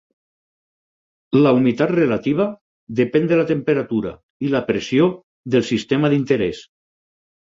La humitat relativa depèn de la temperatura i la pressió del sistema d'interès.